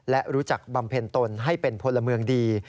และรู้จักบำเพ็ญตนให้เป็นพลเมืองดี